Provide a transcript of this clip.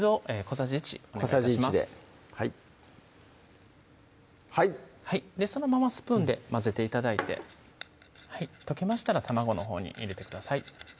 小さじ１ではいそのままスプーンで混ぜて頂いて溶けましたら卵のほうに入れてください